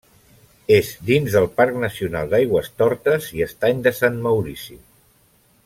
És dins del Parc Nacional d'Aigüestortes i Estany de Sant Maurici.